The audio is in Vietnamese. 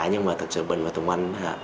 nhưng mà thật sự mình và tụi mình